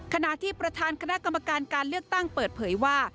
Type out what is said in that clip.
ขณะที่ประธานคณะกรรมการการเลือกตั้งเปิดเผยว่า